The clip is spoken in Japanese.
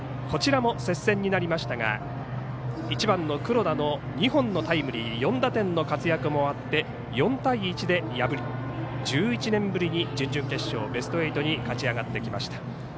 こちらも接戦になりましたが１番の黒田の２本のタイムリー４打点の活躍もあって４対１で破って１１年ぶりに準々決勝ベスト８に勝ち上がってきました。